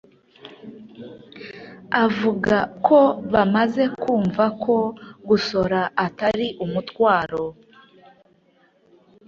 avuga ko bamaze kumva ko gusora atari umutwaro